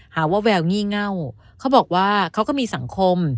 หาว่าแววงี่เง่าเขาบอกว่าเขาก็มีสังคม